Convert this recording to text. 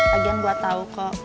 lagian gue tau kok